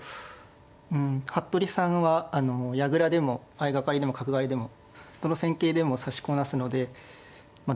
うん服部さんは矢倉でも相掛かりでも角換わりでもどの戦型でも指しこなすのでどれが来るかなっていうところで。